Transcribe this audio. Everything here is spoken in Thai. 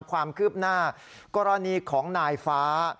ความคืบหน้ากรณีของนายฟ้า